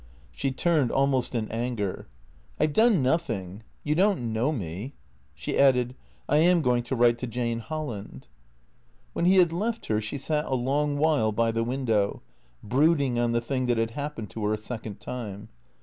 She turned, almost in anger. " I 've done nothing. You don't know me." She added, " I am going to write to Jane Holland." Wlien he had left her she sat a long while by the window, brooding on the thing that had happened to her a second time.